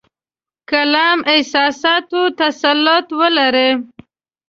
کلام اساساتو تسلط ولري.